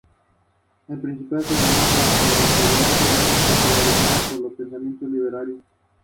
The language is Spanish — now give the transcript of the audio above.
Antes de su cierre, jugaba en la Superliga, máxima categoría del fútbol nacional femenino.